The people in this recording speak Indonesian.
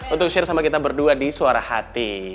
untuk share sama kita berdua di suara hati